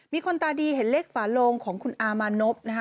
มีคนตาดีเห็นเลขฝาโลงของคุณอามานพนะคะ